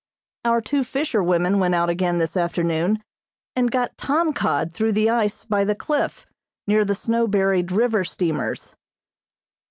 Our two fisher women went out again this afternoon, and got tom cod through the ice by the cliff, near the snow buried river steamers.